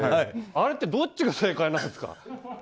あれってどっちが正解なんですか？